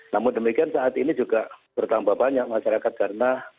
namun demikian saat ini juga bertambah banyak masyarakat karena